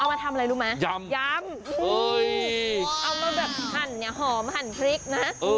เอามาทำอะไรรู้ไหมยำยำเอ้ยเอามาแบบหันเนี้ยหอมหันพริกนะเออ